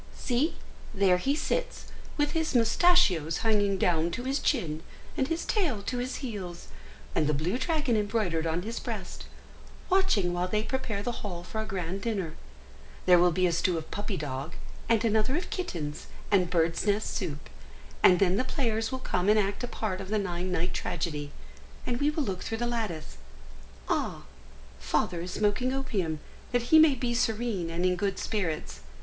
See, there he sits, with his moustachios hanging down to his chin, and his tail to his heels, and the blue dragon embroidered on his breast, watching while they prepare the hall for a grand dinner. There will be a stew of puppy dog, and another of kittens, and birds nest soup; and then the players will come and act a part of the nine night tragedy, and we will look through the lattice. Ah! Father is smoking opium, that he may be serene and in good spirits!